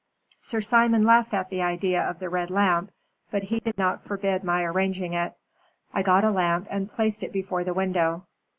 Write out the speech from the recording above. Sir Simon laughed at the idea of the red lamp, but he did not forbid my arranging it. I got a lamp and placed it before the window.